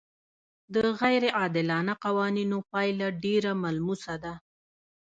د غیر عادلانه قوانینو پایله ډېره ملموسه ده.